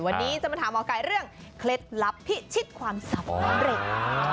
วันนี้จะมาถามหมอไก่เรื่องเคล็ดลับพิชิตความสำเร็จ